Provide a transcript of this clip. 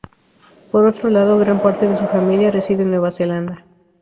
Por otro lado gran parte de su familia reside en Nueva Zelanda.